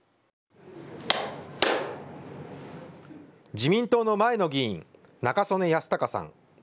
自民党の前の議員、中曽根康隆さん。